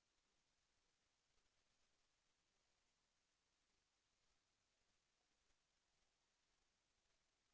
แสวได้ไงของเราก็เชียนนักอยู่ค่ะเป็นผู้ร่วมงานที่ดีมาก